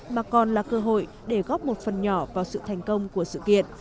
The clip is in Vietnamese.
mà còn là cơ hội để góp một phần nhỏ vào sự thành công của sự kiện